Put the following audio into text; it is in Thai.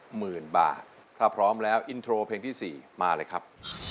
หมื่นบาทถ้าพร้อมแล้วอินโทรเพลงที่๔มาเลยครับ